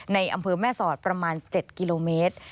ในอำเภอแม่สอดประมาณ๗กิโลเมตร